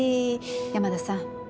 山田さん